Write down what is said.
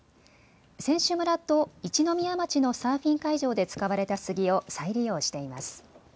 選手村と一宮町のサーフィン会場で使われたスギを再利用しています。